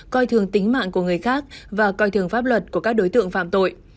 coi thường tính mạng của người khác và coi thường pháp luật của các đối tượng phạm tội